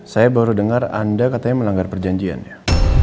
saya baru dengar anda katanya melanggar perjanjian ya